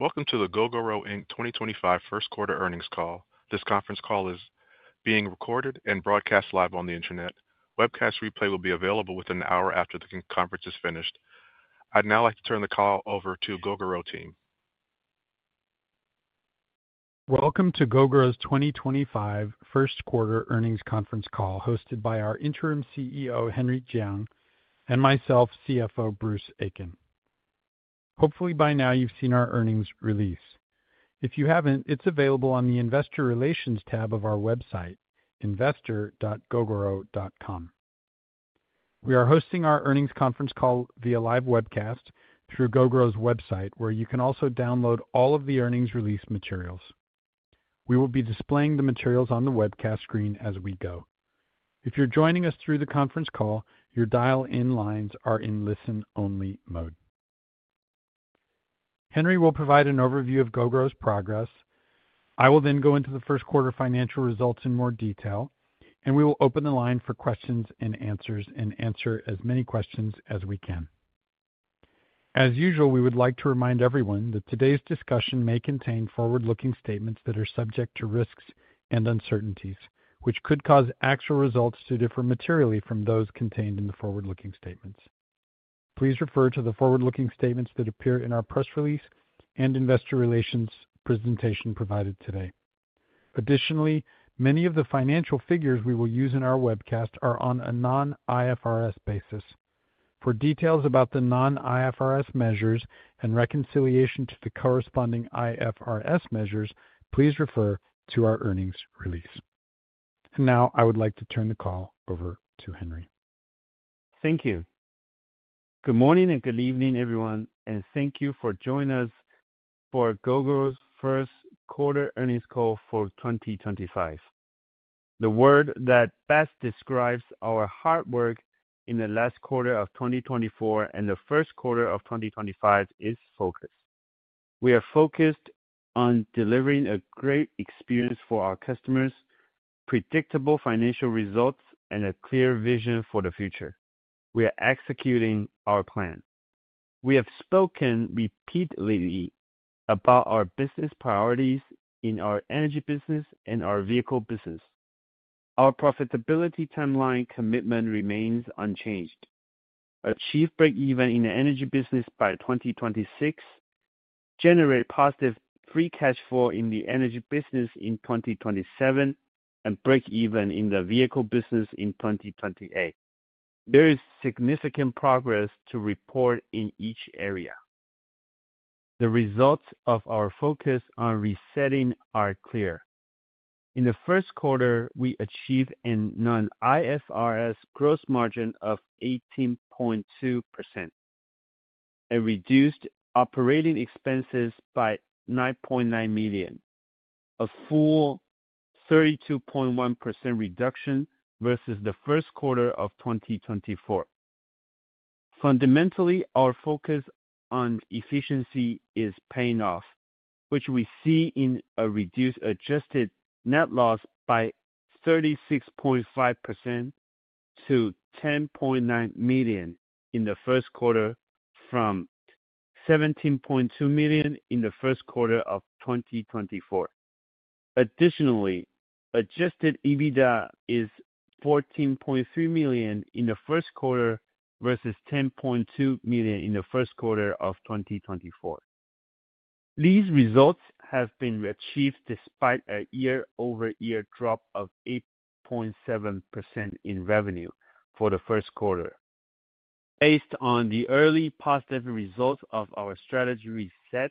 Welcome to the Gogoro Inc. 2025 First Quarter Earnings Call. This conference call is being recorded and broadcast live on the Internet. Webcast replay will be available within an hour after the conference is finished. I'd now like to turn the call over to the Gogoro team. Welcome to Gogoro's 2025 First Quarter Earnings Conference Call, hosted by our interim CEO, Henry Chiang, and myself, CFO, Bruce Aitken. Hopefully, by now you've seen our earnings release. If you haven't, it's available on the Investor Relations tab of our website, investor.gogoro.com. We are hosting our earnings conference call via live webcast through Gogoro's website, where you can also download all of the earnings release materials. We will be displaying the materials on the webcast screen as we go. If you're joining us through the conference call, your dial-in lines are in listen-only mode. Henry will provide an overview of Gogoro's progress. I will then go into the first quarter financial results in more detail, and we will open the line for questions and answers and answer as many questions as we can. As usual, we would like to remind everyone that today's discussion may contain forward-looking statements that are subject to risks and uncertainties, which could cause actual results to differ materially from those contained in the forward-looking statements. Please refer to the forward-looking statements that appear in our press release and investor relations presentation provided today. Additionally, many of the financial figures we will use in our webcast are on a non-IFRS basis. For details about the non-IFRS measures and reconciliation to the corresponding IFRS measures, please refer to our earnings release. I would like to turn the call over to Henry. Thank you. Good morning and good evening, everyone, and thank you for joining us for Gogoro's First Quarter Earnings Call for 2025. The word that best describes our hard work in the last quarter of 2024 and the first quarter of 2025 is focus. We are focused on delivering a great experience for our customers, predictable financial results, and a clear vision for the future. We are executing our plan. We have spoken repeatedly about our business priorities in our energy business and our vehicle business. Our profitability timeline commitment remains unchanged. Achieve break-even in the energy business by 2026, generate positive free cash flow in the energy business in 2027, and break-even in the vehicle business in 2028. There is significant progress to report in each area. The results of our focus on resetting are clear. In the first quarter, we achieved a non-IFRS gross margin of 18.2%, and reduced operating expenses by $9.9 million, a full 32.1% reduction versus the first quarter of 2024. Fundamentally, our focus on efficiency is paying off, which we see in a reduced adjusted net loss by 36.5% to $10.9 million in the first quarter from $17.2 million in the first quarter of 2024. Additionally, adjusted EBITDA is $14.3 million in the first quarter versus $10.2 million in the first quarter of 2024. These results have been achieved despite a year-over-year drop of 8.7% in revenue for the first quarter. Based on the early positive results of our strategy reset,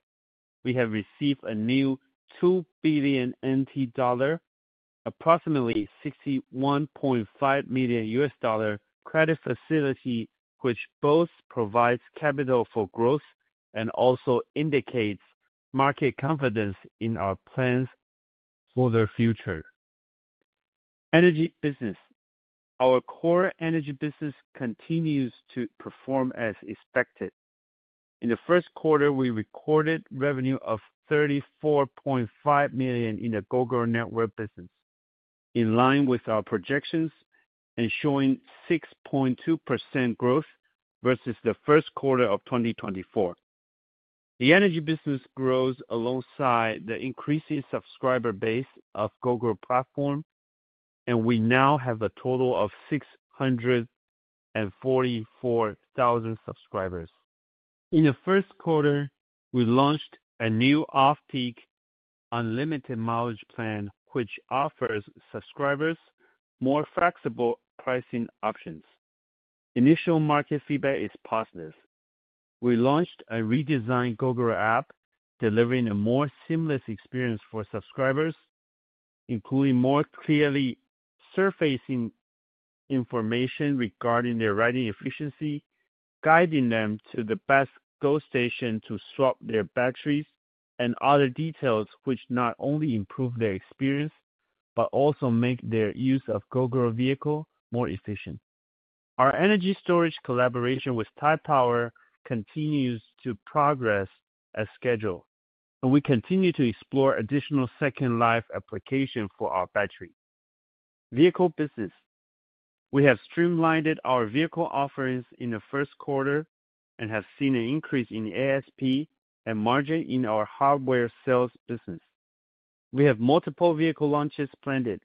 we have received a new 2 billion NT dollar, approximately $61.5 million credit facility, which both provides capital for growth and also indicates market confidence in our plans for the future. Energy business. Our core energy business continues to perform as expected. In the first quarter, we recorded revenue of $34.5 million in the Gogoro Network business, in line with our projections, and showing 6.2% growth versus the first quarter of 2024. The energy business grows alongside the increasing subscriber base of the Gogoro platform, and we now have a total of 644,000 subscribers. In the first quarter, we launched a new off-peak unlimited mileage plan, which offers subscribers more flexible pricing options. Initial market feedback is positive. We launched a redesigned Gogoro app, delivering a more seamless experience for subscribers, including more clearly surfacing information regarding their riding efficiency, guiding them to the best Go-station to swap their batteries, and other details which not only improve their experience but also make their use of Gogoro vehicle more efficient. Our energy storage collaboration with Tide Power continues to progress as scheduled, and we continue to explore additional second-life applications for our battery. Vehicle business. We have streamlined our vehicle offerings in the first quarter and have seen an increase in ASP and margin in our hardware sales business. We have multiple vehicle launches planned.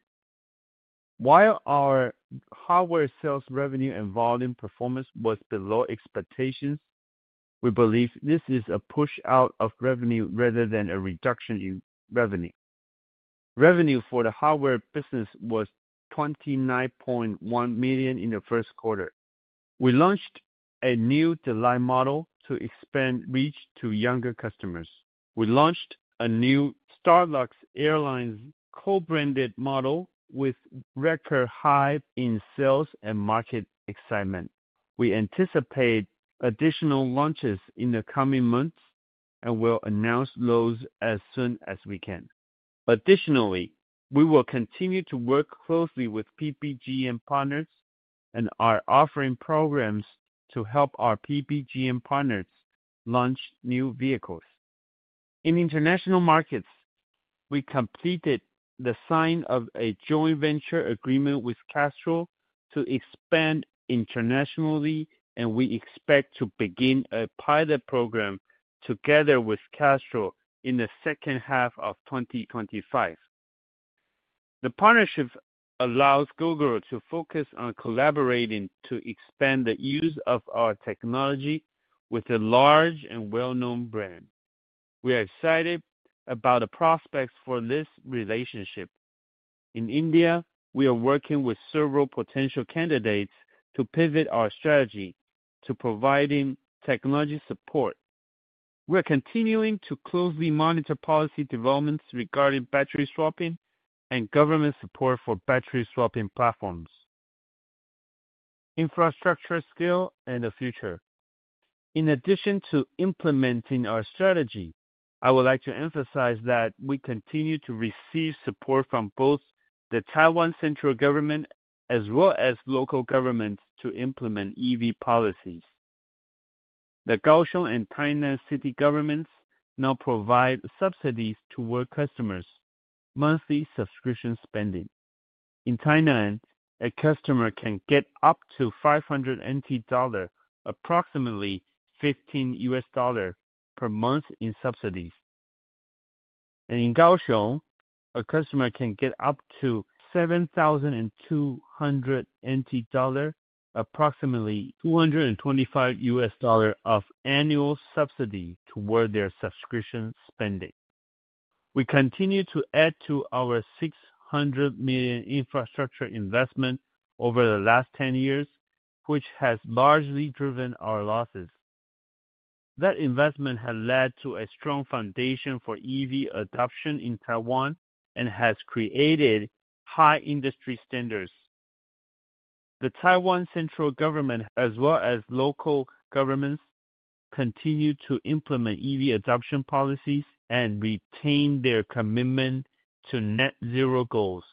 While our hardware sales revenue and volume performance was below expectations, we believe this is a push-out of revenue rather than a reduction in revenue. Revenue for the hardware business was $29.1 million in the first quarter. We launched a new EZZY model to expand reach to younger customers. We launched a new Starlux Airlines co-branded model with record highs in sales and market excitement. We anticipate additional launches in the coming months and will announce those as soon as we can. Additionally, we will continue to work closely with PPGM partners and our offering programs to help our PPGM partners launch new vehicles. In international markets, we completed the signing of a joint venture agreement with Castrol to expand internationally, and we expect to begin a pilot program together with Castrol in the second half of 2025. The partnership allows Gogoro to focus on collaborating to expand the use of our technology with a large and well-known brand. We are excited about the prospects for this relationship. In India, we are working with several potential candidates to pivot our strategy to providing technology support. We are continuing to closely monitor policy developments regarding battery swapping and government support for battery swapping platforms. Infrastructure scale and the future. In addition to implementing our strategy, I would like to emphasize that we continue to receive support from both the Taiwan central government as well as local governments to implement EV policies. The Kaohsiung and Tainan city governments now provide subsidies to our customers' monthly subscription spending. In Tainan, a customer can get up to 500 NT dollar, approximately $15 per month in subsidies. In Kaohsiung, a customer can get up to 7,200 NT dollar, approximately $225 of annual subsidy toward their subscription spending. We continue to add to our $600 million infrastructure investment over the last 10 years, which has largely driven our losses. That investment has led to a strong foundation for EV adoption in Taiwan and has created high industry standards. The Taiwan Central Government, as well as local governments, continue to implement EV adoption policies and retain their commitment to net zero goals.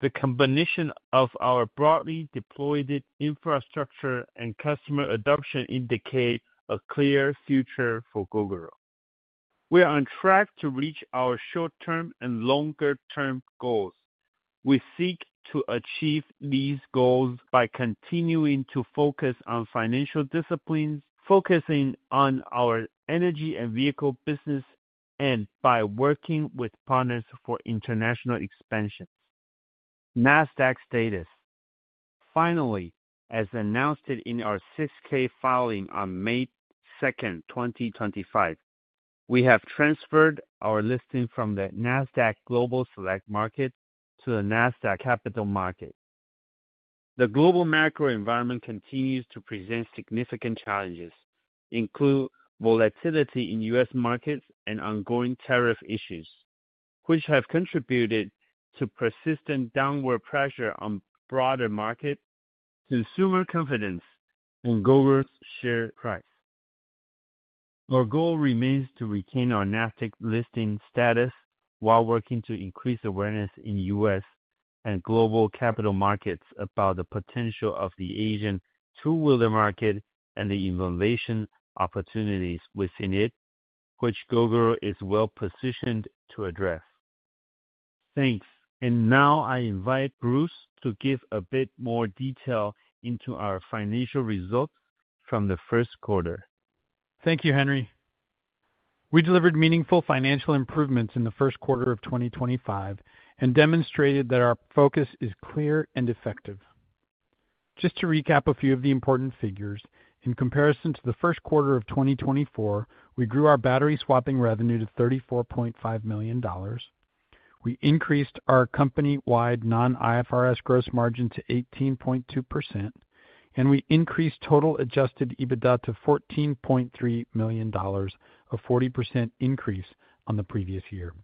The combination of our broadly deployed infrastructure and customer adoption indicates a clear future for Gogoro. We are on track to reach our short-term and longer-term goals. We seek to achieve these goals by continuing to focus on financial disciplines, focusing on our energy and vehicle business, and by working with partners for international expansion. NASDAQ status. Finally, as announced in our 6K filing on May 2, 2025, we have transferred our listing from the NASDAQ Global Select Market to the NASDAQ Capital Market. The global macro environment continues to present significant challenges, including volatility in U.S. markets and ongoing tariff issues, which have contributed to persistent downward pressure on broader markets, consumer confidence, and Gogoro's share price. Our goal remains to retain our NASDAQ listing status while working to increase awareness in U.S. and global capital markets about the potential of the Asian two-wheeler market and the innovation opportunities within it, which Gogoro is well-positioned to address. Thanks. I invite Bruce to give a bit more detail into our financial results from the first quarter. Thank you, Henry. We delivered meaningful financial improvements in the first quarter of 2025 and demonstrated that our focus is clear and effective. Just to recap a few of the important figures, in comparison to the first quarter of 2024, we grew our battery swapping revenue to $34.5 million. We increased our company-wide non-IFRS gross margin to 18.2%, and we increased total Adjusted EBITDA to $14.3 million, a 40% increase on the previous year.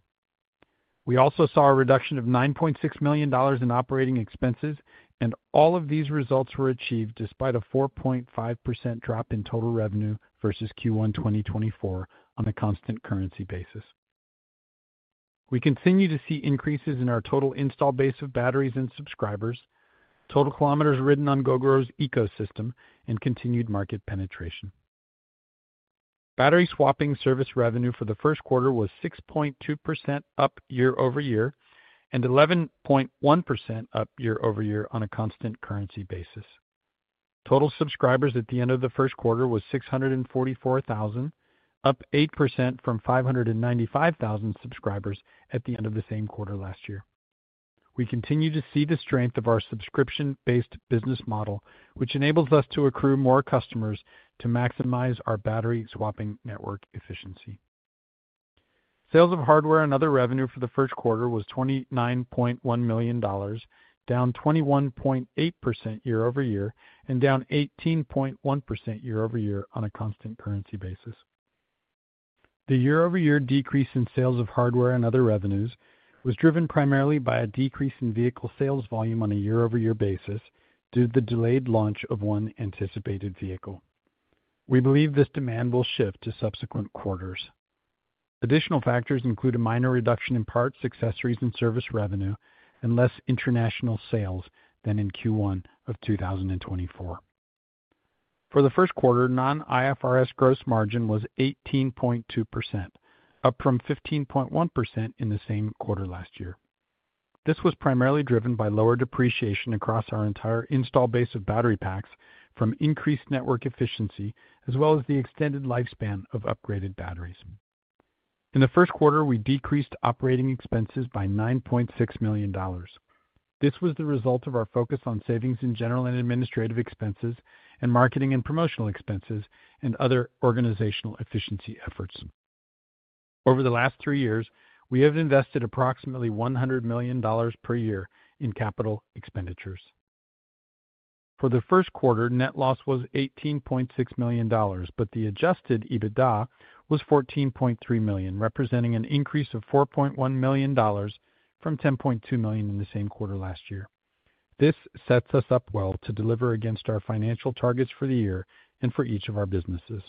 We also saw a reduction of $9.6 million in operating expenses, and all of these results were achieved despite a 4.5% drop in total revenue versus Q1 2024 on a constant currency basis. We continue to see increases in our total install base of batteries and subscribers, total kilometers ridden on Gogoro's ecosystem, and continued market penetration. Battery swapping service revenue for the first quarter was 6.2% up year-over-year and 11.1% up year-over-year on a constant currency basis. Total subscribers at the end of the first quarter was 644,000, up 8% from 595,000 subscribers at the end of the same quarter last year. We continue to see the strength of our subscription-based business model, which enables us to accrue more customers to maximize our battery swapping network efficiency. Sales of hardware and other revenue for the first quarter was $29.1 million, down 21.8% year-over-year and down 18.1% year-over-year on a constant currency basis. The year-over-year decrease in sales of hardware and other revenues was driven primarily by a decrease in vehicle sales volume on a year-over-year basis due to the delayed launch of one anticipated vehicle. We believe this demand will shift to subsequent quarters. Additional factors include a minor reduction in parts, accessories, and service revenue and less international sales than in Q1 of 2024. For the first quarter, non-IFRS gross margin was 18.2%, up from 15.1% in the same quarter last year. This was primarily driven by lower depreciation across our entire install base of battery packs from increased network efficiency, as well as the extended lifespan of upgraded batteries. In the first quarter, we decreased operating expenses by $9.6 million. This was the result of our focus on savings in general and administrative expenses and marketing and promotional expenses and other organizational efficiency efforts. Over the last three years, we have invested approximately $100 million per year in capital expenditures. For the first quarter, net loss was $18.6 million, but the Adjusted EBITDA was $14.3 million, representing an increase of $4.1 million from $10.2 million in the same quarter last year. This sets us up well to deliver against our financial targets for the year and for each of our businesses.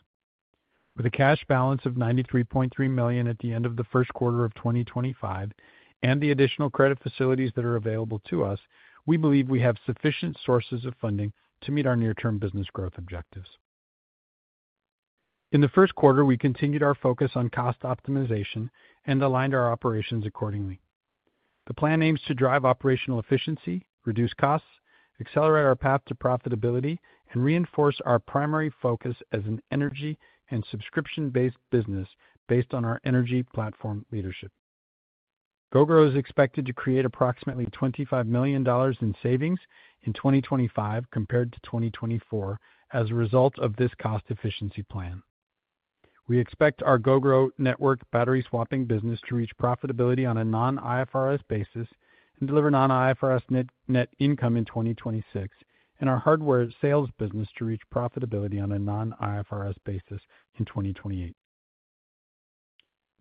With a cash balance of $93.3 million at the end of the first quarter of 2025 and the additional credit facilities that are available to us, we believe we have sufficient sources of funding to meet our near-term business growth objectives. In the first quarter, we continued our focus on cost optimization and aligned our operations accordingly. The plan aims to drive operational efficiency, reduce costs, accelerate our path to profitability, and reinforce our primary focus as an energy and subscription-based business based on our energy platform leadership. Gogoro is expected to create approximately $25 million in savings in 2025 compared to 2024 as a result of this cost efficiency plan. We expect our Gogoro Network battery swapping business to reach profitability on a non-IFRS basis and deliver non-IFRS net income in 2026, and our hardware sales business to reach profitability on a non-IFRS basis in 2028.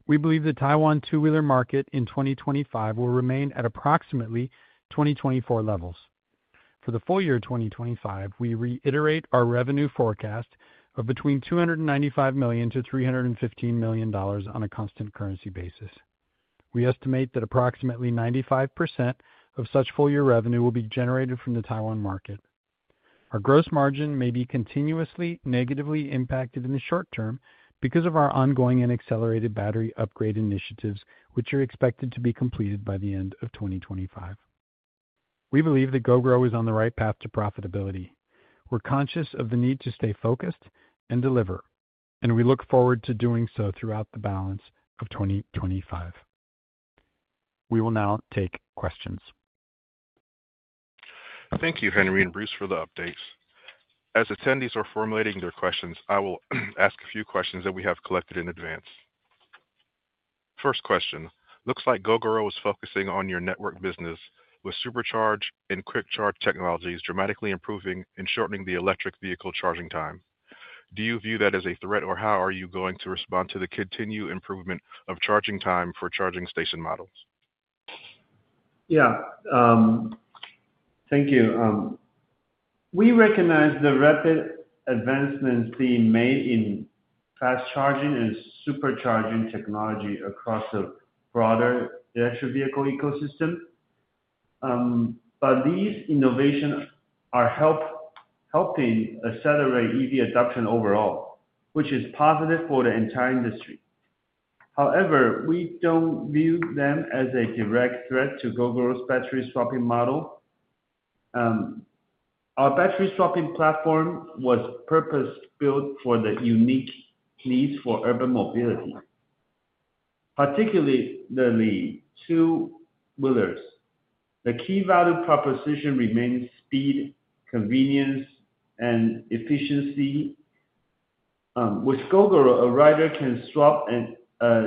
We believe the Taiwan two-wheeler market in 2025 will remain at approximately 2024 levels. For the full year 2025, we reiterate our revenue forecast of between $295 million-$315 million on a constant currency basis. We estimate that approximately 95% of such full-year revenue will be generated from the Taiwan market. Our gross margin may be continuously negatively impacted in the short term because of our ongoing and accelerated battery upgrade initiatives, which are expected to be completed by the end of 2025. We believe that Gogoro is on the right path to profitability. We're conscious of the need to stay focused and deliver, and we look forward to doing so throughout the balance of 2025. We will now take questions. Thank you, Henry and Bruce, for the updates. As attendees are formulating their questions, I will ask a few questions that we have collected in advance. First question. Looks like Gogoro is focusing on your network business with supercharge and quick charge technologies dramatically improving and shortening the electric vehicle charging time. Do you view that as a threat, or how are you going to respond to the continued improvement of charging time for charging station models? Yeah. Thank you. We recognize the rapid advancements being made in fast charging and supercharging technology across the broader electric vehicle ecosystem. These innovations are helping accelerate EV adoption overall, which is positive for the entire industry. However, we do not view them as a direct threat to Gogoro's battery swapping model. Our battery swapping platform was purpose-built for the unique needs for urban mobility. Particularly the two-wheelers, the key value proposition remains speed, convenience, and efficiency. With Gogoro, a rider can swap a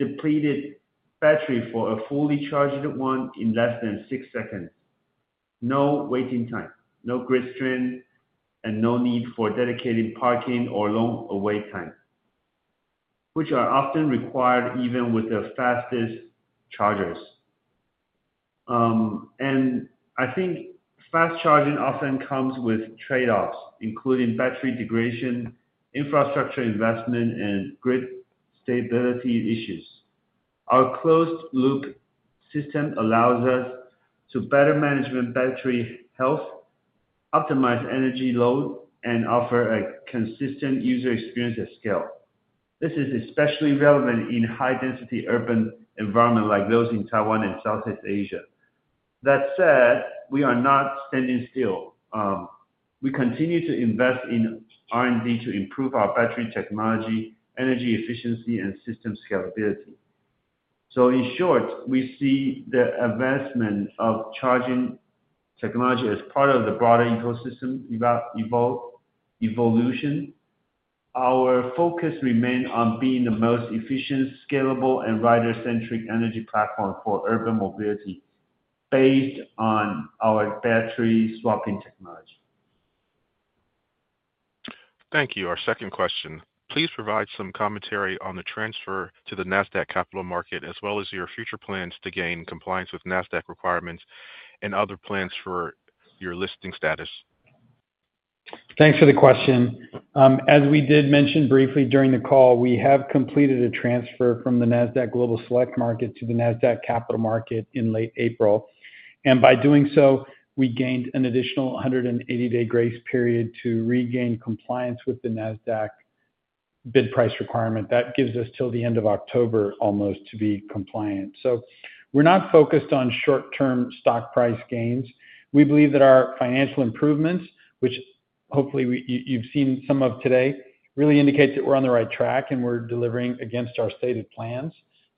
depleted battery for a fully charged one in less than six seconds. No waiting time, no grid strain, and no need for dedicated parking or long wait time, which are often required even with the fastest chargers. I think fast charging often comes with trade-offs, including battery degradation, infrastructure investment, and grid stability issues. Our closed-loop system allows us to better manage battery health, optimize energy load, and offer a consistent user experience at scale. This is especially relevant in high-density urban environments like those in Taiwan and Southeast Asia. That said, we are not standing still. We continue to invest in R&D to improve our battery technology, energy efficiency, and system scalability. In short, we see the advancement of charging technology as part of the broader ecosystem evolution. Our focus remains on being the most efficient, scalable, and rider-centric energy platform for urban mobility based on our battery swapping technology. Thank you. Our second question. Please provide some commentary on the transfer to the NASDAQ Capital Market, as well as your future plans to gain compliance with NASDAQ requirements and other plans for your listing status. Thanks for the question. As we did mention briefly during the call, we have completed a transfer from the NASDAQ Global Select Market to the NASDAQ Capital Market in late April. By doing so, we gained an additional 180-day grace period to regain compliance with the NASDAQ bid-price requirement. That gives us till the end of October almost to be compliant. We are not focused on short-term stock price gains. We believe that our financial improvements, which hopefully you have seen some of today, really indicate that we are on the right track and we are delivering against our stated plans.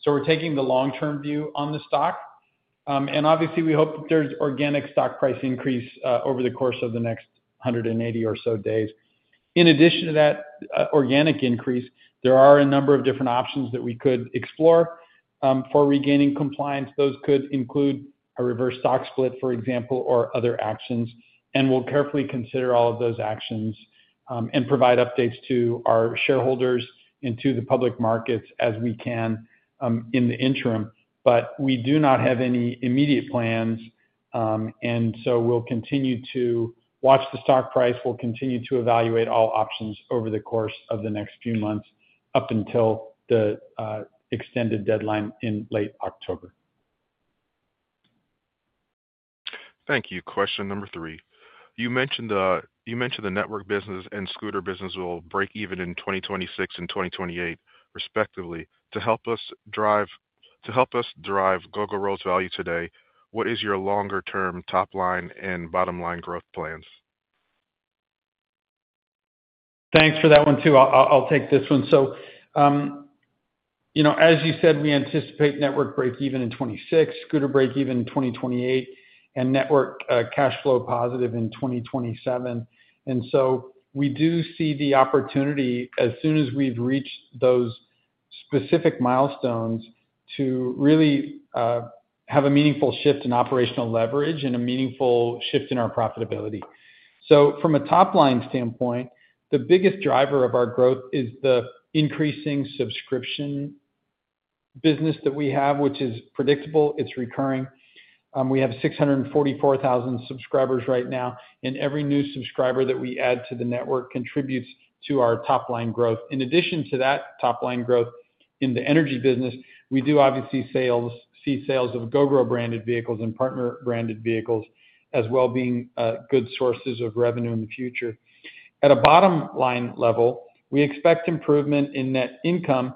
We are taking the long-term view on the stock. Obviously, we hope that there is organic stock price increase over the course of the next 180 or so days. In addition to that organic increase, there are a number of different options that we could explore for regaining compliance. Those could include a reverse stock split, for example, or other actions. We will carefully consider all of those actions and provide updates to our shareholders and to the public markets as we can in the interim. We do not have any immediate plans, so we will continue to watch the stock price. We will continue to evaluate all options over the course of the next few months up until the extended deadline in late October. Thank you. Question number three. You mentioned the network business and scooter business will break even in 2026 and 2028, respectively. To help us drive Gogoro's value today, what is your longer-term top-line and bottom-line growth plans? Thanks for that one too. I'll take this one. As you said, we anticipate network break-even in 2026, scooter break-even in 2028, and network cash flow positive in 2027. We do see the opportunity as soon as we've reached those specific milestones to really have a meaningful shift in operational leverage and a meaningful shift in our profitability. From a top-line standpoint, the biggest driver of our growth is the increasing subscription business that we have, which is predictable. It's recurring. We have 644,000 subscribers right now, and every new subscriber that we add to the network contributes to our top-line growth. In addition to that top-line growth in the energy business, we do obviously see sales of Gogoro-branded vehicles and partner-branded vehicles as well being good sources of revenue in the future. At a bottom-line level, we expect improvement in net income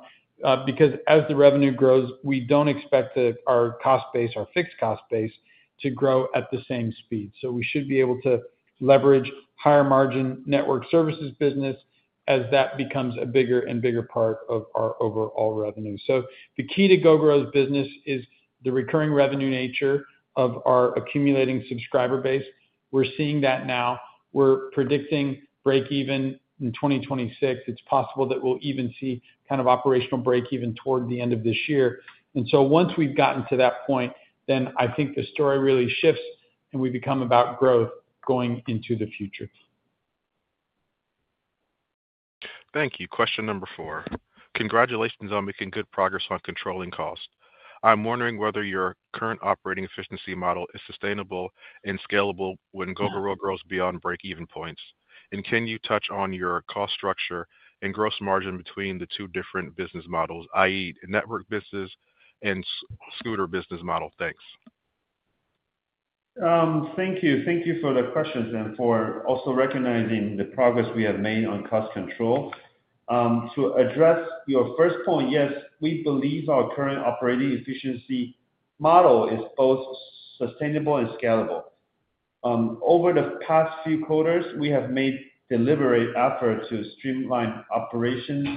because as the revenue grows, we do not expect our cost base, our fixed cost base, to grow at the same speed. We should be able to leverage higher-margin network services business as that becomes a bigger and bigger part of our overall revenue. The key to Gogoro's business is the recurring revenue nature of our accumulating subscriber base. We are seeing that now. We are predicting break-even in 2026. It is possible that we will even see kind of operational break-even toward the end of this year. Once we have gotten to that point, I think the story really shifts and we become about growth going into the future. Thank you. Question number four. Congratulations on making good progress on controlling cost. I'm wondering whether your current operating efficiency model is sustainable and scalable when Gogoro grows beyond break-even points. Can you touch on your cost structure and gross margin between the two different business models, i.e., network business and scooter business model? Thanks. Thank you. Thank you for the questions and for also recognizing the progress we have made on cost control. To address your first point, yes, we believe our current operating efficiency model is both sustainable and scalable. Over the past few quarters, we have made deliberate efforts to streamline operations,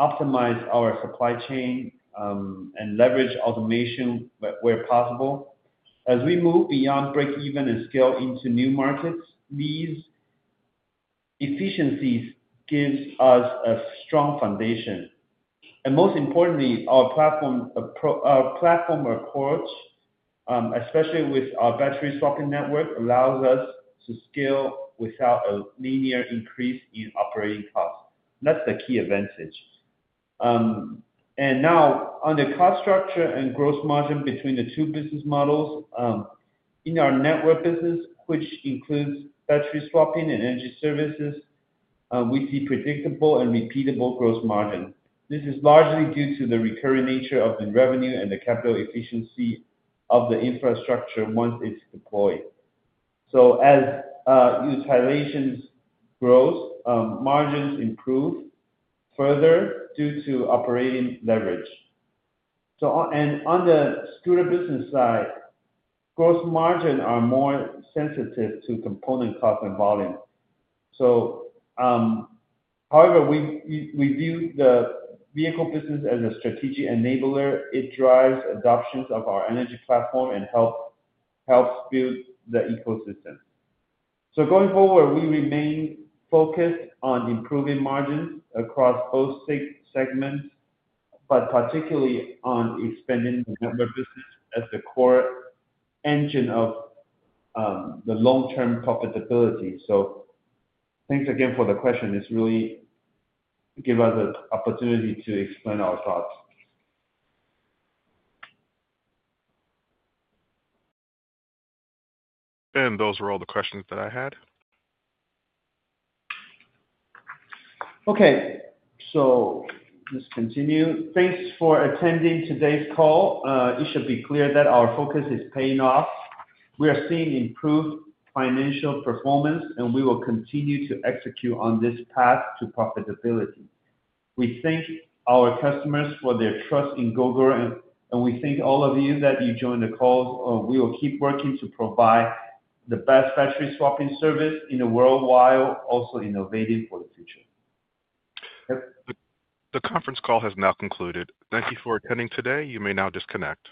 optimize our supply chain, and leverage automation where possible. As we move beyond break-even and scale into new markets, these efficiencies give us a strong foundation. Most importantly, our platform approach, especially with our battery swapping network, allows us to scale without a linear increase in operating costs. That is the key advantage. Now, on the cost structure and gross margin between the two business models, in our network business, which includes battery swapping and energy services, we see predictable and repeatable gross margin. This is largely due to the recurring nature of the revenue and the capital efficiency of the infrastructure once it's deployed. As utilization grows, margins improve further due to operating leverage. On the scooter business side, gross margins are more sensitive to component cost and volume. However, we view the vehicle business as a strategic enabler. It drives adoptions of our energy platform and helps build the ecosystem. Going forward, we remain focused on improving margins across both segments, particularly on expanding the network business as the core engine of the long-term profitability. Thanks again for the question. It's really given us an opportunity to explain our thoughts. Those were all the questions that I had. Okay. Let's continue. Thanks for attending today's call. It should be clear that our focus is paying off. We are seeing improved financial performance, and we will continue to execute on this path to profitability. We thank our customers for their trust in Gogoro, and we thank all of you that joined the call. We will keep working to provide the best battery swapping service in the world while also innovating for the future. The conference call has now concluded. Thank you for attending today. You may now disconnect.